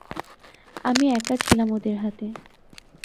আমি একা ছিলাম ওদের হাতে।